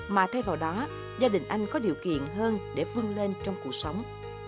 mà thay vào đó gia đình anh có điều kiện hơn để vươn lên trong cuộc sống